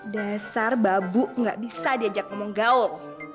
dasar babu nggak bisa diajak ngomong gaul